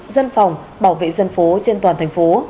dân phòng bảo vệ dân phố trên toàn tp